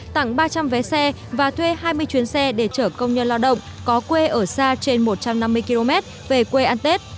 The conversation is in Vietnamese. tặng ba trăm linh vé xe và thuê hai mươi chuyến xe để chở công nhân lao động có quê ở xa trên một trăm năm mươi km về quê ăn tết